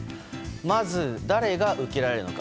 まず誰が受けられるのか。